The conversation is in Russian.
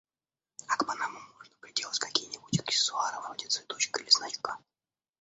А к панамам можно приделать какие-нибудь аксессуары, вроде цветочка или значка?